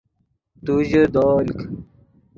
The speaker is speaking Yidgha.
تو ژے دولک